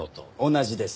同じです。